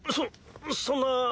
そそんな。